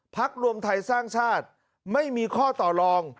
รวมไทยสร้างชาติไม่มีข้อต่อรอง